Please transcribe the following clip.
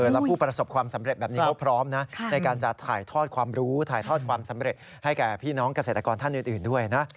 แล้วผู้ประสบความสำเร็จแบบนี้เขาพร้อมนะในการจะถ่ายทอดความรู้ถ่ายทอดความสำเร็จให้แก่พี่น้องเกษตรกรท่านอื่นด้วยนะ